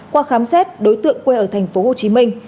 qua khám xét đối tượng quê ở thành phố hồ chí minh